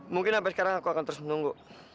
mungkin sampai sekarang aku akan terus menunggu